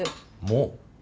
もう？